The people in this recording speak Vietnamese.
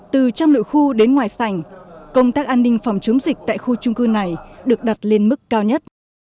từ trong nội khu đến ngoài sảnh công tác an ninh phòng chống dịch tại khu trung cư này được đặt lên mức cao nhất